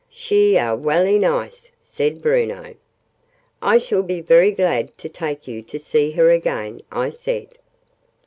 "She are welly nice," said Bruno. "I shall be very glad to take you to see her again," I said.